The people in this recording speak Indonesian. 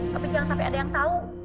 tapi jangan sampai ada yang tahu